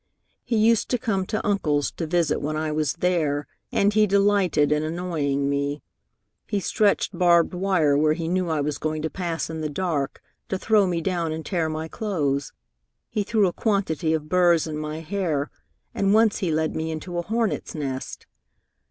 He used to come to Uncle's to visit when I was there, and he delighted in annoying me. He stretched barbed wire where he knew I was going to pass in the dark, to throw me down and tear my clothes. He threw a quantity of burrs in my hair, and once he led me into a hornet's nest.